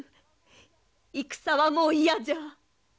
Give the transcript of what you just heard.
戦はもう嫌じゃ！